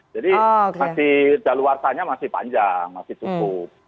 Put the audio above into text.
jadi masih dalawar saya masih panjang masih cukup